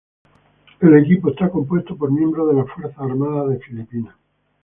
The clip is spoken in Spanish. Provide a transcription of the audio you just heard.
El equipo está compuesto por miembros de la Fuerzas Armadas de Filipinas.